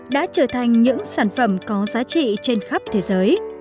đã trở thành những sản phẩm có giá trị trên khắp thế giới